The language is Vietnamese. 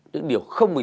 bỏ người đi